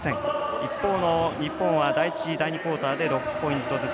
一方の日本は第１、第２クオーターで６点ずつ。